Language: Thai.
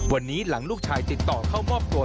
วันนี้หลังลูกชายติดต่อเข้ามอบตัว